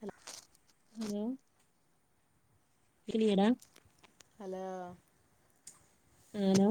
Hala hello [unintelligible] hello hello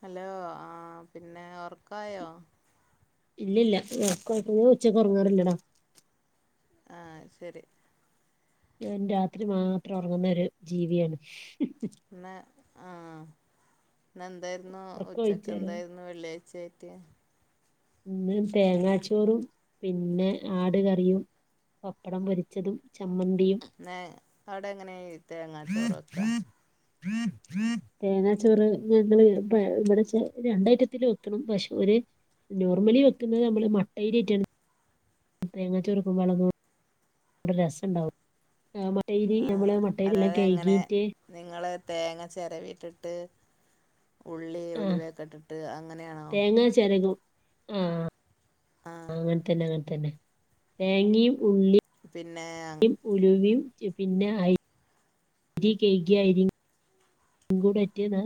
hello ആ പിന്നെ ഒറക്കായോ ഇല്ലല്ല ഉച്ചക്കറങ്ങാറില്ലട ആ ശരി ഞാൻ രാത്രി മാത്രം ഒറങ്ങുന്ന ഒരു ജീവിയാണ്. ഇന്ന് ആ ഇന്ന് എന്തായിരുന്നു ഉച്ചക്ക് ഉറക്കമൊഴിച്ചാലോ എന്തായിരുന്നു. വെള്ളിയാച്ചായിട്ട് ഇന്ന് തേങ്ങാച്ചോറും പിന്നെ ആട് കറിയും പപ്പടം പൊരിച്ചതും ചമ്മന്തിയും അവിടെ എങ്ങനെ തേങ്ങാ ചോറ് വെക്കാ തേങ്ങാച്ചോറ് ഞങ്ങള് ഇവിടെ രണ്ടായിട്ടിത്തിരി വെക്കണം പക്ഷുര നോർമലി വെക്കുന്നത് നമ്മള് മട്ട അരിയിട്ടാണ്. തേങ്ങാ ചുരുങ്ങും വളങ്ങും നല്ല രസം ഉണ്ടാവും, മട്ടരി നമ്മള് ആഹ് മട്ടരി എല്ലാം അല്ലാതെ എങ്ങനെ കഴുകിട്ട് നിങ്ങള് തേങ്ങ ചിരവിട്ടിട്ട് ഉള്ളി ഉലിവേക്കെട്ടിട്ട് അങ്ങനെയാണോ അങ്ങനെ ചെരങ്ങും ആ ആഹ് അങ്ങനെ തന്നെ അങ്ങനെ തന്നെ തേങ്ങയും ഉള്ളിയും പിന്നെ ആഹ് ഉലവയും പിന്നെ അരിയും കഴുകി- കൂടെറ്റി താ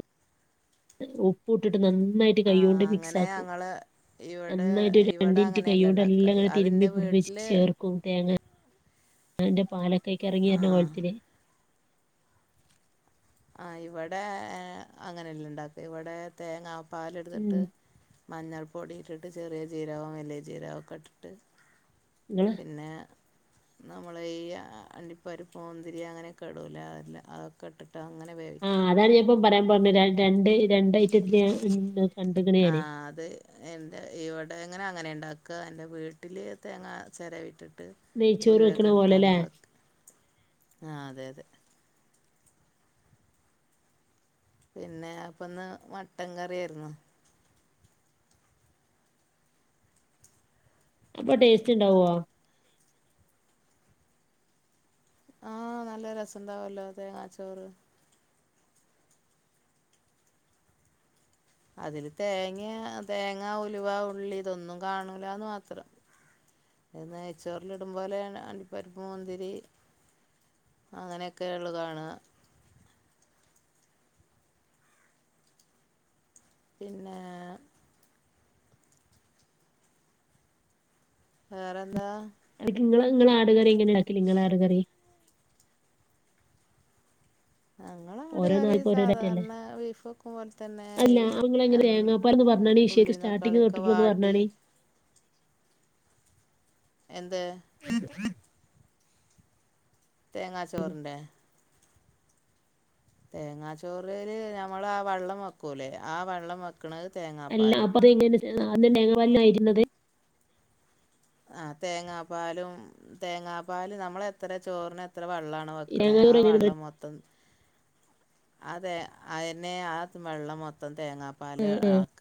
ഉപ്പു ഇട്ടിട്ട് നന്നായി- കൈ കൊണ്ട് മിക്സ് അങ്ങനെ ആക്കും, ഞങ്ങള് ഇവിടെ നന്നായിട്ട് ഒരു രണ്ട് ഇവിടെ മിനിറ്റ് കൈ അങ്ങനെയല്ല കൊണ്ട് എല്ലാം ഇണ്ടാക്ക അങ്ങനെ തിരുമ്പി അതിൻ്റെ പിടിപ്പിച്ച് വീട്ടില് ചേർക്കും. തേങ്ങ അതിന്റെ പാലക്കെയ്ക്ക്റങ്ങി വരുന്ന ആഹ് കോലത്തിൽ ആ ഇവിടെ അങ്ങനെല്ല ഇണ്ടാക്കൽ തേങ്ങ പാല് ഉം എടുത്തിട്ട്. മഞ്ഞൾ പൊടി ഇട്ടിട്ട്, ചെറിയ ജീരകം വലിയ ജീരകൊക്കെ ഇട്ടിട്ട് [inaudible] പിന്നെ നമ്മളെ ഈ അണ്ടിപ്പരിപ്പും മുന്തിരി അങ്ങനൊക്കെ ഇടൂലെ, അതെല്ലാം അതൊക്കെ ഇട്ടി [unintelligible] അങ്ങനെ ആ വേവിക്കും അതാണ് ഞാൻ ഇപ്പം പറയാൻ പറഞ്ഞ രണ്ടേ രണ്ട ഐറ്റത്തി ആ അത് തന്നെ എൻ്റെ ഇവിടെ എങ്ങനെ അങ്ങനെ ഉണ്ടാക്ക, എൻ്റെ വീട്ടിൽ തേങ്ങാ ചിരവിട്ടിട്ട് നെയ്ച്ചോറ് വെക്കണ ഉലിവയൊക്കെ എടുത്ത് പോലെല്ലേ അങ്ങനെ വെക്കും ആ അതെ അതെ. പിന്നെ അപ്പൊ ഇന്ന് മട്ടൻ കറിയായിരുന്നു. അപ്പൊ ടേസ്റ്റ് ഉണ്ടാവോ? ആ നല്ല രസം ഉണ്ടാവല്ലോ തേങ്ങാ ചോറ് അതില് തേങ്ങ, തേങ്ങാ ഉലുവ ഉള്ളി ഇതൊന്നും കാണൂലന്ന് മാത്രം. പിന്നെ നെയ്ച്ചോറിൽ ഇടും പോലെ അണ്ടിപ്പരിപ്പ് മുന്തിരി അങ്ങനെയൊക്കെയ ഉള്ളതാണ് പിന്നെ വേറെന്താ നിങ്ങൾ നിങ്ങള് ആട് കറി എങ്ങനെ ഉണ്ടാക്കൽ നിങ്ങള് ആട് കറി. ഞങ്ങള ഓരോ ആടുകറി നാൾക്ക് ഓരോ ഐറ്റം അല്ലേ സാധാരണ ബീഫ് വെക്കും പോലെ തന്നെ അല്ല ഈ നിങ്ങളെങ്ങനെ തേങ്ങാപ്പാലെന്ന് പറഞ്ഞാണി ഇഷയ്ക്ക് ഉള്ളീം, സ്റ്റാർട്ടിങ് തക്കാളിയൊക്കെ തൊട്ടിട്ടൊന്ന് വാട്ടി പറഞ്ഞാണി. എന്ത് [inaudible] തേങ്ങാ ചോറിന്റെ തേങ്ങാച്ചോറ് നമ്മൾ ആ വെള്ളം വെക്കൂലെ ആ വെള്ളം വെ വെക്കണത്‌ തേങ്ങ അല്ല അപ്പ അത് എങ്ങനെ അത് തേങ്ങാപ്പാൽ ആയിരുന്നത് ആ തേങ്ങാപ്പാലും തേങ്ങാപ്പാല് നമ്മള് എത്ര ചോറിന് എത്ര വെള്ള വെക്കണേ ആ തേങ്ങാച്ചോറ് എങ്ങനെ വെള്ളം മൊത്തം അത് തന്നെ ആ വെള്ളം മൊത്തം തേങ്ങാപ്പാൽ ആക്ക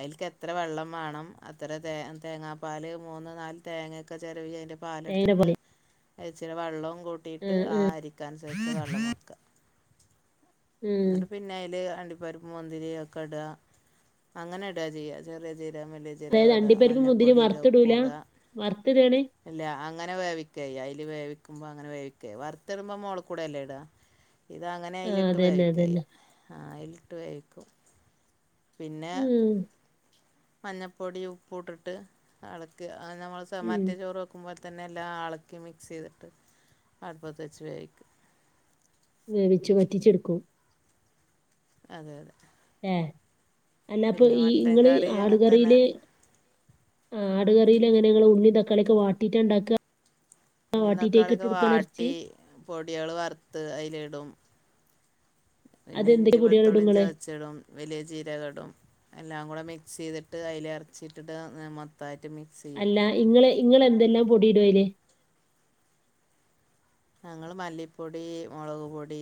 അതിൽ എത്ര വെള്ളം വേണം അത്ര തേങ്ങാപ്പാൽ മൂന്ന് നാല് തേങ്ങയൊക്കെ ചിരവി അതിൻ്റെ തേങ്ങേടെ പാലെടുത്തിട്ട് പോലെ? ഇച്ചിരി വെള്ളവും കൂട്ടിയിട്ട് ആഹ് ആ ആഹ് അരിക്ക അനുസരിച്ച് വെള്ളം വെക്ക ആഹ്. എന്ന്ട്ട് [unintelligible] പിന്നെ അയില് അണ്ടിപ്പരിപ്പ് മുന്തിരി ഒക്കെ ഇടാ അങ്ങനെ ഇടാത ചെയ്യ ചെറിയ ജീരകം, വലിയ ജീരകം അതായത് ജിരകം ഇടാ, അണ്ടിപ്പരിപ്പും മുന്തിരിയും മഞ്ഞപ്പൊടി ഇടാ, ഉപ്പു വറുത്തിടൂല? ഇടാ വറുത്തിടാണ്? അല്ല അങ്ങനെ വേവിക്കല്യ അയില് വേവിക്കുമ്പോ അങ്ങനെേ വേവിക്ക വറുത്തിടുമ്പോ മോള് കൂടെയല്ലേ ഇടാ. ഇതങ്ങനെ ആഹ് അയിലിട്ട് അതന്നെ അതന്നെ. വേവിക്കയ്യാ ആ അതിലിട്ട് വേവിക്കും. പിന്നെ ഉം മഞ്ഞൾപ്പൊടി ഉപ്പും ട്ടിട്ട് എളക്ക അ ഞമ്മൾ സ ഉം. മറ്റേ ചോറ് വെ വക്കുമ്പോൾ തന്നെ എല്ലാം അളക്കി മിക്സ് ചെയ്തിട്ട് അട്പ്പത്ത്ച്ച് വേവിക്ക വേവിച്ചു വറ്റിച്ചെടുക്കൊ അതെ അതെ ഏ അല്ലാപ്പൊ പിന്നെ ഈ മട്ടൻ ഇങ്ങള് കറി അങ്ങനെ ആടുക തന്നെ റീല് ആ ആട് കറിയില്എങ്ങനെങ്ങള് ഉള്ളിം തക്കാളിംഒക്കെ വാട്ടീട്ടാ ണ്ടാക്ക ഉള്ളിം തക്കാളിയൊക്കെ എറച്ചി? വാട്ടി പൊട്യള് വർത്ത് അയിലിടും. പിന്നെ അതെന്തൊക്കെ ഇഞ്ചി പൊടിയാളിടും വെളുത്തുള്ളിം ഇങ്ങള്? ചതച്ചിടും വലിയ ചീരകടും എല്ലാം കൂടെ മിക്സ് ചെയ്തിട്ട് അയില് എറച്ചിട്ടിട്ട് മൊത്തായിട്ട് മിക് അല്ല ഇങ്ങള് ഇങ്ങള്എന്തെല്ലാം പൊടിടും ആയില് ഞങ്ങള് മല്ലിപ്പൊടി, മുളക് പൊടി,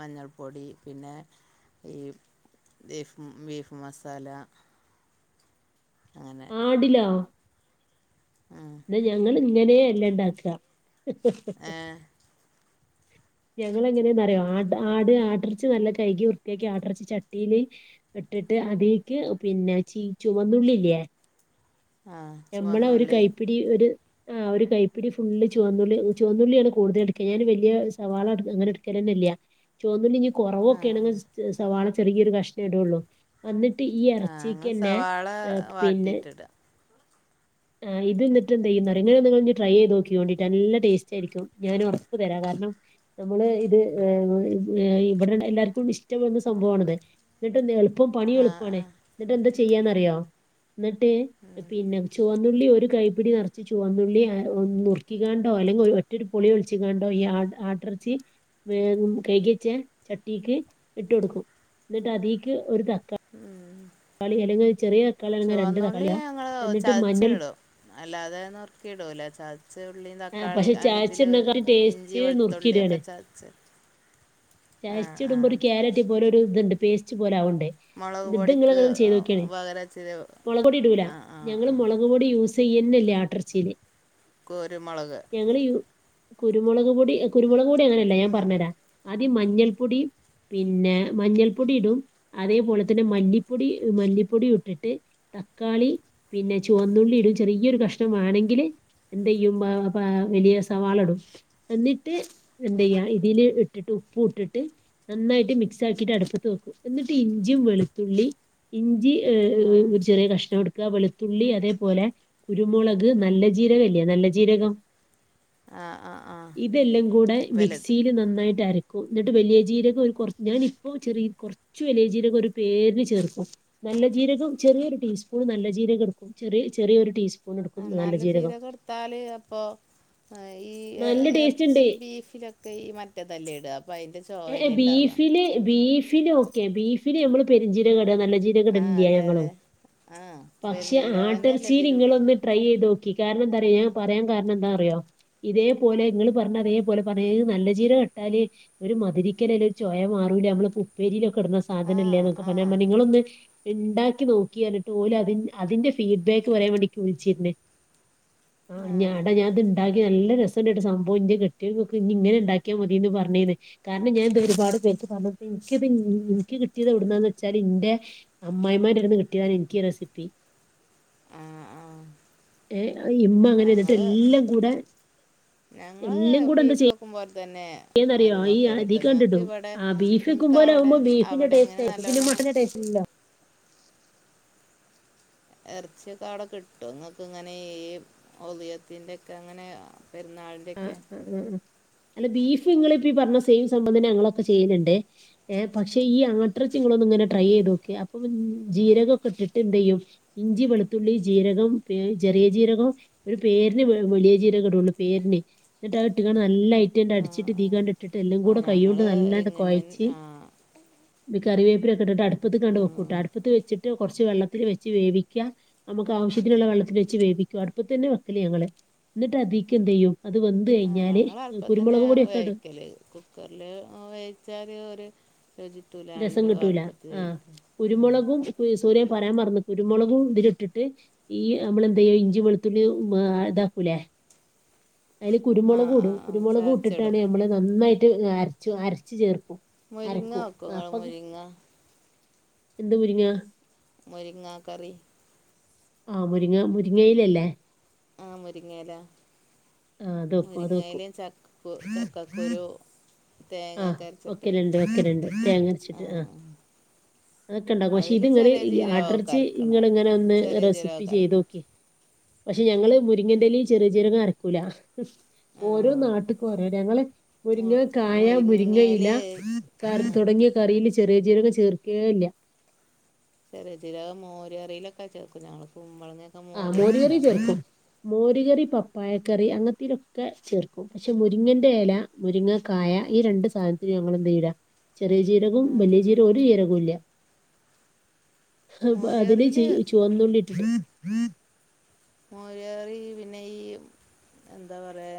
മഞ്ഞൾപ്പൊടി, പിന്നെ ഈ ബീഫ് ബീഫ് മസാലങ്ങന ആടിലൊ ന്നാ ഞങ്ങള് ഇങ്ങനേയല്ല ണ്ടാക്ക ഏ ഞങ്ങള് എങ്ങനെയെന്നറിയോ ആ ആട് ആട്ടറിച്ച് നല്ല കൈകി വൃത്തിയാക്കി ആട്ടറിച്ച് ചട്ടീല് ഇട്ടിട്ട് അ തീക്ക് പിന്നെ ചീ ചുവന്നുള്ളില്ലേ ആ നമ്മളെ ഒരു ചുവന്നുള്ളി കൈപ്പിടി ഒരു ആ ഒരു കൈപ്പിടി ഫുളള്ചുവന്നുള്ളി ചുവന്നുള്ളിയാണ് കൂടുതൽ ട്ക്ക ഞാന് വലിയ സവാള അങ്ങനെ ട് കേ ട്‌കലന്നെല്ല ചുവന്നുള്ളിഇനി ആ കുറവൊക്കെ ആണെങ്കിൽ ആ സവാള ചെറിയൊരു കഷ്ണ ടൊള്ളൂ അന്നിട്ട് ഈ ആ ഞങ്ങൾ എറച്ചീക്കന്നെ സവാള ഏ പിന്നെ വാട്ടിയിട്ടിടുക ആ് ഇതന്നട്ട് ന്തെയ്യുംന്നറൊ ഇങ്ങള്ങ്ങനെ ഒന്ന് ട്രൈ ചെയ്ത് നോക്കിയോണ്ടിട്ടോ നല്ല ടേസ്റ്റ് ആയിരിക്കുംഞൻ ഉറപ്പ് തരാം കാരണം നമ്മള് ഇത് ഇവിടെ എല്ലാർക്കും ഇഷ്ടപ്പെടുന്ന സംഭവാണിത് എന്നിട്ട് എളുപ്പം പണിയും ആ എളുപ്പമാണ് ആ ന്നട്ട് എന്താ ചെയ്യാന്നറിയോ ന്നട്ട് പിന്നെ ചുവന്നുള്ളി ഒരു കൈപ്പിടി നിറച്ച് ചുവന്നുള്ളി നറുക്കിക്കാണ്ടോ അല്ലെങ്കിൽ ഒറ്റൊരു പൊളിയൊൾച്ചിക്കാണ്ടോ ഈ ആ ആട്ടറിച്ചി വേംകൈകിച്ച ചട്ടീക്ക് ഇട്ട് കൊടുക്കും ന്നിട്ട് അതീക്ക് ഒരു തക്കാള ഉം തക്കാളി അല്ലെങ്കിൽ രണ്ട് ചുവന്നുള്ളി തക്കാളിയാ ഞങ്ങള് എന്നിട്ട് മഞ്ഞൾ ചതച്ചിടും അല്ലാതെ ന്നുർക്കിയിടൂലെ ചാർ ചെറി ഉള്ളിയും ആഹ് തക്കാളി പക്ഷെ അല്ല ഇതില് ചായച്ചിട്ണേക്കാട്ടിം ഇഞ്ചി ടേസ്റ്റ് വെളുത്തുള്ളിയൊ നുറുക്കിടാണ് ക്കെ ചതച്ച ചതച്ചിടുമ്പോ ഒരു കാരറ്റ് പോലൊ ഒരു തുണ്ട് പേസ്റ്റ് പോലെ ആവ്ണ്ട് മുളക് പൊടിക്ക് ഇത്ങ്ങളങ്ങനൊന്നു ചെയ്തോക്കാണി പകരം ഇച്ചിരി മുളകോടി ഇടൂല ആ ആ ഞങ്ങള് ആ മൊള മുളക് പൊടിയൂസ് ചെയ്യന്നെല്ല അട്ടർച്ചില് കുരുമുളക് ഞങ്ങള് യൂ കുരുമുളക് പൊടി കുരുമുളക് പൊടി അങ്ങനെയല്ല ഞാൻ പറഞ്ഞരാആദ്യം മഞ്ഞൾപ്പൊടി പിന്നെ മഞ്ഞൾപ്പൊടി ഇടും അതേപോലെ തന്നെ മല്ലിപ്പൊടി മല്ലിപ്പൊടിം ഇട്ടിട്ട് തക്കാളി പിന്നെ ചുവന്നുള്ളിടും ചെറിയൊരു കഷ്ണം വാണെങ്കില് എന്തയ്യും വലിയ സവാള ഇടും എന്നിട്ട് എന്തയ്യ ഇതില് ഇട്ടിട്ട് ഉപ്പും ട്ടിട്ട് നന്നായിട്ട് മിക്സ് ആക്കിയിട്ട് അടുപ്പത്ത് വെക്കും എന്നിട്ട് ഇഞ്ചിയും വെളുത്തുള്ളി ഇഞ്ചി ഏ ആ ഒരു ചെറിയ കഷ്ണം ടും ക വെളുത്തുള്ളി അതേപോലെ കുരുമുളക് നല്ല ജീരകല്ലേ നല്ല ജീരകം ആ ആ ആ ഇതെല്ലാം കൂടെ വലുത് മിക്സിയില് നന്നായിട്ട് അരക്കും ന്നട്ട്‌വലിയ ജീരകം ഒരുക്കെറ ഞാൻ ഇപ്പോൾ ചെറിയ കുറ ച്ച് വലിയ ജീരകംഒരു പേര്ന് ചേർക്കും നല്ല ജീരകം ചെറിയരു ടീസ്പൂൺ നല്ല ജീരം എടുക്കും ചെറിയ ചെറിയൊരു ടീസ്പൂൺ ആ എടുക്കും നല്ല ജീരകം ചീരകം ട്ത്താല് അപ്പൊ ആ ഈ നല്ല ടേസ്റ്റ് ഉണ്ട് ഇറച്ചി ബീഫിലൊക്കെ ഈ മറ്റേതല്ലേ ഇട അപ്പൊ അയിന്റെ ചൊയല്ലെ ഉണ്ടാവ ല് ബീഫിന് ഒക്ക ബീഫിന്ന് ഞമ്മള് പെരിഞ്ചീരകട നല്ലീതി ആ അതെ ഞങ്ങളും അതെ ആ പക്ഷെ പെരുംജീരകം തന്നെയല്ലേ ആട്ടർച്ചിൽ ഇതിലിടുക നിങ്ങളൊന്ന് ട്രൈ ചെയ്തോക്കി കാരണം എന്താറിയോഞാൻ പറയാൻ കാരണം എന്താ അറിയോ ഇതേപോലെ നിങ്ങള് പറഞ്ഞ അതേപോലെ പറഞ്ഞ നല്ല ജീര കെട്ടാല് ഒരു മതിുരിക്കലല്ല ഒരു ചോയ മാറൂല നമ്മള് ഉപ്പേരിയിലൊക്കെ ഇടുന്ന ആ സാധനംല്ലേ എന്നൊക്കെ ആ പറഞ്ഞ നിങ്ങളൊന്ന് ഉണ്ടാക്കി നോക്കി എന്നിട്ട് പോലും അതി അതിന്റെ ഫീഡ്ബാക്ക് കുറെേ വേണിക്ക് വിളിച്ചിരുന്നേ ആ ഞാട ഞാൻ അത്ണ്ടാക്കി നല്ല രസ ഉണ്ടായിട്ട് സംഭവം ഇന്റെ കെട്ടിെയോൻ കൊക്കെ ഇനി ഇങ്ങനെ ഉണ്ടാക്കിയാ മതിയന്ന് പറഞ്ഞേ കാരണം ഞാൻ ഇത് ഒരുപാട് പേർക്ക് പറഞ്ഞൊട്ത് ണ് ഇൻക്കിത് ഇനിക്ക് കിട്ടിയത് എവിടുന്നന്ന് വെച്ചാൽ എന്റെ അമ്മായിമാൻ്റെ ഇരുന്ന് കിട്ടിയതാണ് എനിക്ക് റെസിപ്പി ആ ആ ഏ ഇമ്മ അങ്ങനെ എന്ന എന്നിട്ട് എല്ലാം കൂടെ ഞങ്ങള് ബീഫ് വെക്കും പോോലെ തന്നെ റിയോ അതും ഈ വെക്കൽ അതി കേട്ടോ ഞങ്ങൾക്ക് കണ്ടിട്ടും ഇവിടെ ആ നിങ്ങൾക്ക് ബീഫ്ക്ക്പോലെ അവിടെ ആുമ്പോ ബീഫിന്റെ അവിടെ ഇങ്ങനെ ടേസ്റ്റ് നല്ലോണം ആന്റെ ടേ ഇല്ല എറച്ചിയൊക്ക അവിടെ കിട്ടൊ ഇങ്ങക്ക് ഇങ്ങനെ ഈ ഓള്ളിയത്തിന്റെ ഒക്കെ അങ്ങനെ പെരുന്നാളി ഉം ഉം ഉം അല്ല ബീഫ് നിങ്ങളിപ്പൊ ഈ പറഞ്ഞ സെയിം സംഭവം തന്നെ ഞങ്ങളൊക്കെ ചെയ്യല്ണ്ട് ഏ പക്ഷെ ഈ ആട്ട്രച്ച നിങ്ങളൊന്നി ഇങ്ങനെ ട്രൈ ചെയ്ത് നോക്കി അപ്പൊ ജീരകൊക്കെ ഇട്ടിട്ട് നതേചെയ്യും ഇഞ്ചി വെളുത്തുള്ളി ജീരകം ചെറിയ ജീരകം ഒരു പേരിന് വെളിയ ചീരകഇടൊള്ളൂ പേരിന് ന്നട്ട് അത് ഇട്ട് കാണ്ട് നല്ല ഒക്കെ ആ അടിച്ചിട്ട് ആ ദീകാണ്ട് ഇട്ടിട്ട് എല്ലാം ആ കൂടെ ഞങ്ങൾ കൈയൊണ്ട് നല്ലാണ്ട് ഇങ്ങനെ കൊഴച്ച് ആ ഇ കറിവേപ്പന ഒക്കെ ഇട്ട് അടുപ്പത്തത്ത് കണ്ടണ്ട് വെക്കൂട്ട് ഉം. അടുപ്പത്ത് വെച്ചിട്ട് കൊറച്ച് വെള്ളത്തിൽ വെച്ച് വേവിക്കാം നമുക്ക് ആവശ്യത്തിനുള്ള വെള്ളത്തിൽ വെച്ച് വേവിക്കാം അടുപ്പ തന്നെ വെക്കല് ഞങ്ങള് ന്നട്ട് അധീക്ക് എ ൻത്ചെയ്യും അത് വെന്ത് കഴിഞ്ഞാല് കുരുമുളക് പൊടി ഒക്കെടും ലേ കുക്കറിൽ വേവിച്ചാല് ഒരു ചി രസം കിട്ടൂല ആഹ് ആ കുരുമുളകും സൂര്യ പറയാൻ മറന്ന് കുരുമുളകും ഇതില് ഇട്ടിട്ട് ഈ നമ്മളെന്ത ചെയ്യോ ഇഞ്ചി വെളുത്തുള്ളി ഇതാക്കൂലേ അതില് ആ കുരുമുളക് ആ കൂടും ആ കുരുമുളക് ചതച്ചിടും ഇട്ടിട്ടാണ് നമ്മള് നന്നായിട്ട്ര അരച്ചു ചേർക്കും മുരിങ്ങ അരക്കും വക്കൊ ഇങ്ങൾ അപ്പൊ മുരിങ്ങ എന്ത് മുരിങ്ങ മുരിങ്ങ കറി ആഹ് മുരിങ്ങ മുരിങ്ങയിലല്ലേ ആഹ് മുരിങ്ങല ആ് അത് വെക്കും അത് വെക്കും ചക്കക്കു ചക്കക്കുരു ആഹ് തേങ്ങയൊക്കെ അരച്ചിട്ട് വെക്കല്ണ്ട് വെക്കല്ണ്ട് ആ തേങ്ങരച്ചിട്ട് ആഹ് അതൊക്കെ ഉണ്ടാക്കും പക്ഷെ അതിൽ ഇതിങ്ങനെ ചെറിയ ജീരകമൊക്കെ ആട്ടറച്ചി ഇങ്ങൾ അരക്കണം ഇങ്ങനെ ഒന്ന് ചെറിയ റെസിപ്പി ജീരകമൊക്കെ അരക്കും ചെയ്തോക്കി പക്ഷെ ഞങ്ങള് മുരിങ്ങിന്റെല ചെറിയ ചെറിയ ജീരകം അരക്കൂല ആ ഓരോ നാട്ട്ക്കും ഒരൊത ഞങ്ങള് മു മുരിങ്ങ ക ക്കായ മുരിങ്ങയിൽ മുരിങ്ങയില കറി ആ തൊടങ്ങിയ കറിയിൽ ചെറിയ ജീരകം ചേർക്കേ ഇല്ല ചെറിയ ജീരകം മോരിറിയിലൊക്കെ ചേർക്കും ഞങ്ങൾ കുമ്പള ആഹ് മോര് കറി ചേർക്കും മോര് കറി പപ്പായക്കറി അങ്ങനത്തലൊക്കെ ചേർക്കും പക്ഷെ മുരിങ്ങന്റെ എല മുരിങ്ങ കായ ഈ രണ്ട് സാധനത്തിന് ഞങ്ങൾ എന്ത ചെയടാ ചെറിയ ജീരകവും ആ വലിയ ജീരകവും ഒരു ജീരകവും ഇല്ല [inaudible] അതിന് മോരുകറിയിൽ ച ചുവന്നുള്ളിട്ട്ട്ട് മോര് കറി പിന്നെ ഈ എന്താ പറയ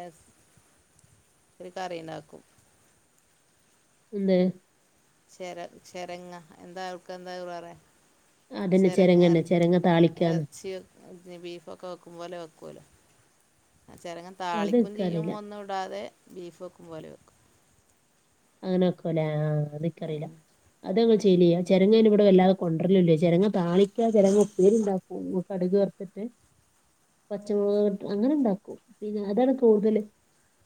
ഒരു കറിയിണ്ടാക്കും എന്ത് ചെറ് ചെറിങ്ങാ എന്താ ആൾക്ക് എന്താ പറയാ അതന്നെ ചെറിങ്ങ ചെരങ്ങന്നെ ചെരങ്ങ താളിക്കാന്ന് എറച്ചിയോ ബീഫൊക്കെ വെക്കും പോലെ വെക്കുവല്ലൊ ആഹ് ചെറങ്ങ താളിക്കും ചെയ്യും അതെനിക്കറിയില്ല ഒന്ന് കൂടാതെ ബീഫ് വെക്കും പോലെ വെക്കും അങ്ങനെ വെക്കൂല്ലേ ആഹ് അത് എനിക്കറിയില്ല ഉം. അത് വെ ശെരിയാ ചെരങ്ങ അതിന് ഇവിടെ വല്ലാതെ കൊണ്ടുവരലില്ല ചെരങ്ങ താളിക്കാ ചെരങ്ങ ഉപ്പേരി ഉണ്ടാക്കാ കടുക് വറത്തിട്ട് [inaudible] പച്ചമുളക് ഇട്ട് അങ്ങനെ ഉണ്ടാക്കും പിന്നെ അതാണ് കൂടുതല്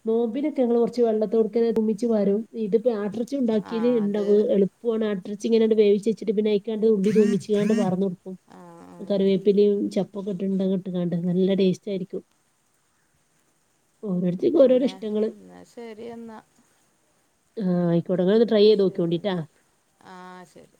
നോമ്പിനൊക്കെ ഞങ്ങള് കൊറച്ച് വെള്ളത്തോടുക്കെ ഉമിച്ച് വാരും ഇത് ഇപ്പൊ ആട്ടിറച്ചി ആ ഉണ്ടാക്കിയാലേ അത് ഇണ്ടാവൂ എളുപ്പ് അട്ടറച്ചീ ഇങ്ങനാണ്ട് വേവിച്ച് വെച്ചിട്ട് പിന്നെഅയിക്കാണ്ട് ഉള്ളി തുമിച്ചാണ്ട് വാർന്ന് ആ ആ. കൊട്ക്ക കറിവേപ്പിലയും ചപ്പൊക്കെ ഇട്ട് ഇട്ടണ്ട് നല്ല ടേസ്റ്റ് ആയിരിക്കും ഓരോരുത്തക്ക് ഓരോരോ ഇഷ്ടങ്ങള് ശരിയെന്നാ ആഹ് ആയിക്കോട്ടെ നിങ്ങള് ഒന്ന് ട്രൈ ചെയ്ത് ശരി നോക്കോണ്ടിട്ടാ എന്നാൽ ആ ശരി